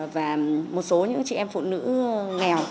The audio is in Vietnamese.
và một số những chị em phụ nữ nghèo